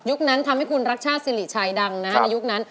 นั้นทำให้คุณรักชาติสิริชัยดังในยุคนั้น